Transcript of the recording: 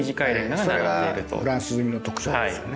それがフランス積みの特徴ですよね。